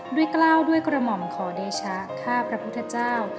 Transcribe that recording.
กล้าวด้วยกระหม่อมขอเดชะข้าพระพุทธเจ้า